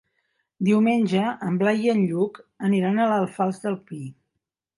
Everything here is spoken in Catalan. Diumenge en Blai i en Lluc aniran a l'Alfàs del Pi.